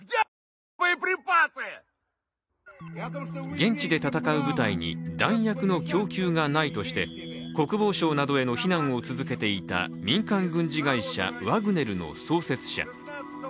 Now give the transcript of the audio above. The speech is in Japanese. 現地で戦う部隊に弾薬の供給がないとして国防相などへの非難を続けていた民間軍事会社ワグネルの創設者。